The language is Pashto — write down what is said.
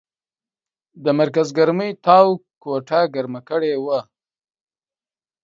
د مرکز ګرمۍ تاو کوټه ګرمه کړې وه.